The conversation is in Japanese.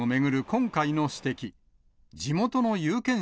今回の指摘。